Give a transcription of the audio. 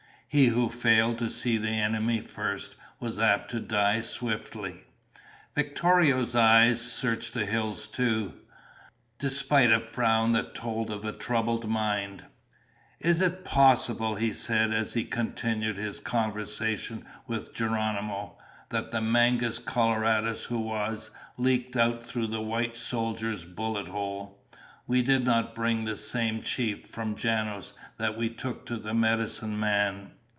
He who failed to see the enemy first was apt to die swiftly. Victorio's eyes searched the hills, too, despite a frown that told of a troubled mind. "It is possible," he said as he continued his conversation with Geronimo, "that the Mangus Coloradus who was, leaked out through the white soldier's bullet hole. We did not bring the same chief from Janos that we took to the medicine man."